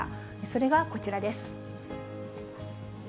それがこちらです。